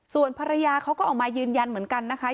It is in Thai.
ส่วนภรรยาเขาก็ออกมายืนยันเหมือนกันนะคะ